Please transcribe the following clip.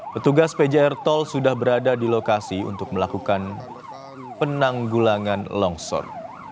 petugas pjr tol sudah berada di lokasi untuk melakukan penanggulangan longsor